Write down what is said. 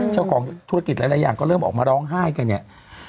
เจ้าของธุรกิจหลายอย่างก็เริ่มออกมาร้องไห้กันเนี่ย